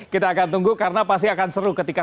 kita akan tunggu karena pasti akan seru ketika